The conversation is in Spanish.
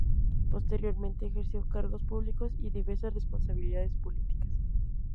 Posteriormente ejerció cargos públicos y diversas responsabilidades políticas.